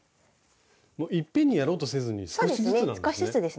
いっぺんにやろうとせずに少しずつなんですね。少しずつですね。